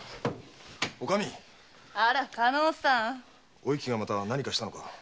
お雪がまた何かしたのか？